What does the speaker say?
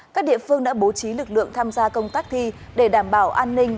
các địa phương đã bố trí lực lượng tham gia công tác thi để đảm bảo an ninh